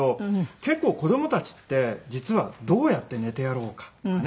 結構子供たちって実はどうやって寝てやろうかとかね